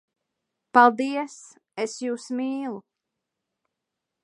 Paldies! Es jūs mīlu!